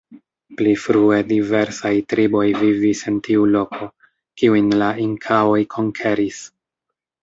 Pli frue diversaj triboj vivis en tiu loko, kiujn la inkaoj konkeris.